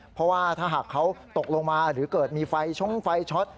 เพราะว่าถ้าหากเขาตกลงมาหรือเกิดมีไฟชงไฟช็อต